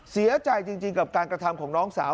เสียใจจริงกับการกระทำของน้องสาว